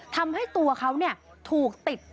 ทำให้ตัวเขาถูกติด